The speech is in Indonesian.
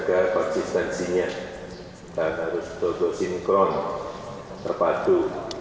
agar dijaga persistensinya dan harus dosa sinkron terpadu